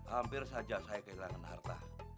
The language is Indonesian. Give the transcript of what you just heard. hampir saja saya kehilangan harta